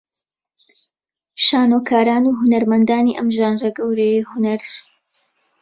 شانۆکاران و هونەرمەندانی ئەم ژانرە گەورەیەی هونەر